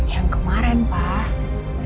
yang kemarin pak